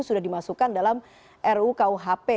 sudah dimasukkan dalam rukuhp